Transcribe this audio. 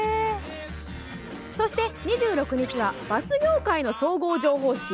そして、２６日はバス業界の総合情報誌。